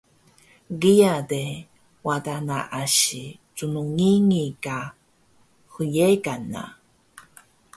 kiya de wada na asi chngii ka hnyegan na